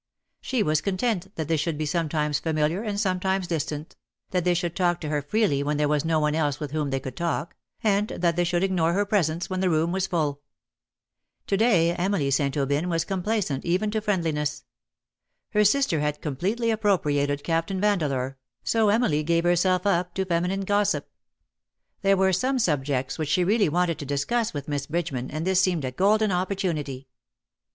She was content that they should be sometimes familiar and some times distant — that they should talk to her freely when there was no one else with whom they could talk — and that they should ignore her presence when the room was full. To day, Emily St. Aubyn was complaisant even to friendliness. Her sister had completely appropriated Captain Vandeleur, so Emily gave herself up to 208 " HIS LADY SMILES ; feminine gossip. There were some subjects which she really wanted to discuss with Miss Bridgeman, and this seemed a golden opportunity.